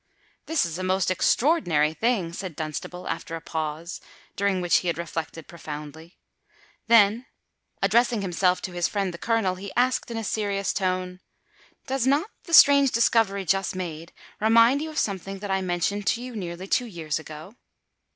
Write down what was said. "This is a most extraordinary thing," said Dunstable, after a pause, during which he had reflected profoundly: then, addressing himself to his friend the Colonel, he asked in a serious tone, "Does not the strange discovery just made remind you of something that I mentioned to you nearly two years ago?"